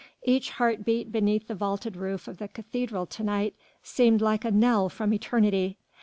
Each heart beat beneath the vaulted roof of the cathedral to night seemed like a knell from eternity.